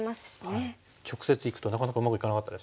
直接いくとなかなかうまくいかなかったですね。